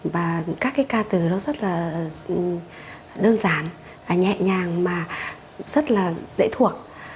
và các cái ca từ nó rất là đơn giản nhẹ nhàng mà rất là dễ thuộc